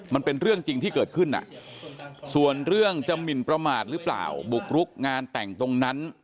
มันเป็นเรื่องจริงที่เกิดขึ้นส่วนเรื่องจะหมินประมาทหรือเปล่าบุกรุกงานแต่งตรงนั้น